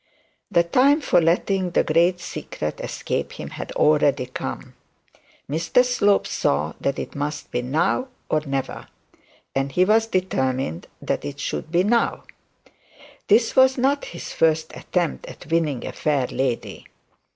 The time for letting the great secret escape him had already come. Mr Slope saw that it must be now or never, and he was determined that it should be now. This was not his first attempt at winning a fair lady.